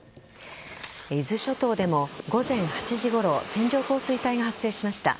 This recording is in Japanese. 伊豆諸島でも午前８時ごろ線状降水帯が発生しました。